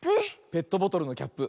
ペットボトルのキャップ。